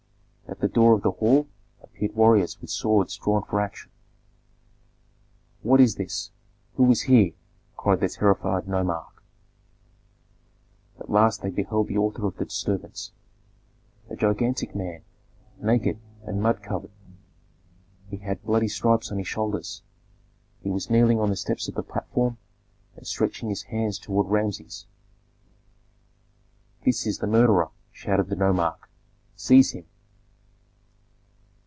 At the door of the hall appeared warriors with swords drawn for action. "What is this? Who is here?" cried the terrified nomarch. At last they beheld the author of the disturbance, a gigantic man, naked, and mud covered. He had bloody stripes on his shoulders; he was kneeling on the steps of the platform and stretching his hands toward Rameses. "This is the murderer," shouted the nomarch. "Seize him!"